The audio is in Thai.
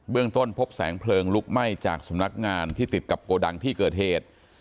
ต้นพบแสงเพลิงลุกไหม้จากสำนักงานที่ติดกับโกดังที่เกิดเหตุ